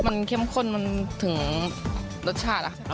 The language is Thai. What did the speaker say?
มันเข้มข้นมันถึงรสชาติ